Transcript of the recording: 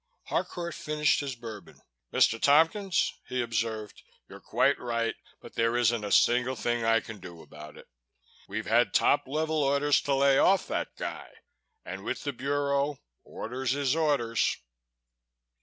Harcourt finished his Bourbon. "Mr. Tompkins," he observed, "you're quite right but there isn't a single thing I can do about it. We've had top level orders to lay off that guy and with the Bureau, orders is orders."